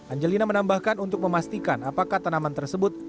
angelina menambahkan untuk memastikan apakah tanaman tersebut